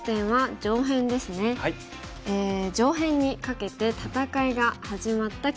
上辺にかけて戦いが始まった局面ですね。